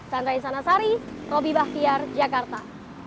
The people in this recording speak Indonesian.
sandra insanasari robby bahtiar jakarta